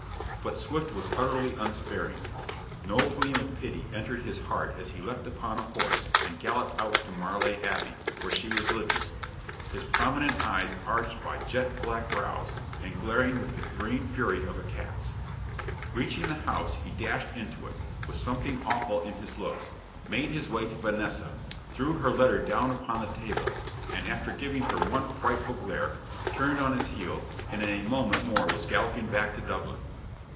But Swift was utterly unsparing. No gleam of pity entered his heart as he leaped upon a horse and galloped out to Marley Abbey, where she was living "his prominent eyes arched by jet black brows and glaring with the green fury of a cat's." Reaching the house, he dashed into it, with something awful in his looks, made his way to Vanessa, threw her letter down upon the table and, after giving her one frightful glare, turned on his heel, and in a moment more was galloping back to Dublin.